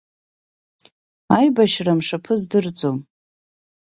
Аибашьра амшаԥы аздырӡом.